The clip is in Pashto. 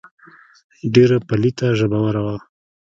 ډېره پليته ژبوره وه.